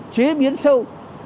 chế biến sâu